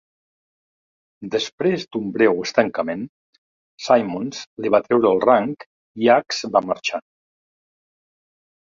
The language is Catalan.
Després d"un breu estancament, Simons li va treure el rang i Ax va marxar.